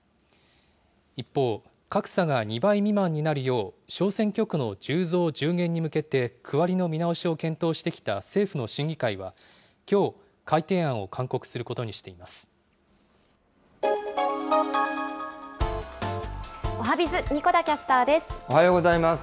一方、格差が２倍未満になるよう小選挙区の１０増１０減に向けて区割りの見直しを検討してきた政府の審議会はきょう、改定案を勧告するおはＢｉｚ、神子田キャスタおはようございます。